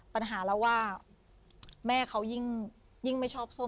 ปัญหาละว่าแม่เค้ายิ่ง